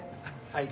はい。